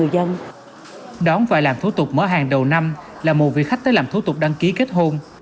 đón vài làm thố tục mở hàng đầu năm là một vị khách tới làm thố tục đăng ký kết hôn